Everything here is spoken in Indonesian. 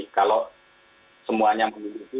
kalau semuanya memiliki